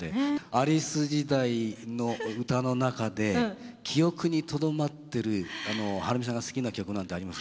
アリス時代の歌の中で記憶にとどまってるはるみさんが好きな曲なんてあります？